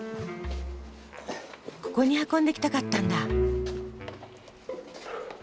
ここに運んできたかったんだ。